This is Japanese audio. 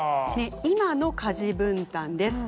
今の家事分担です。